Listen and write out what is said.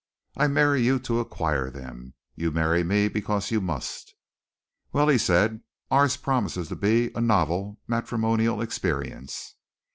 I marry you to acquire them. You marry me because you must." "Well," he said, "ours promises to be a novel matrimonial experience."